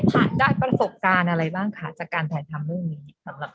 ได้ประสบการณ์อะไรบ้างคะจากการถ่ายทำเรื่องนี้สำหรับ